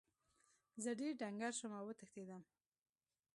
زه ډیر ډنګر شوم او وتښتیدم.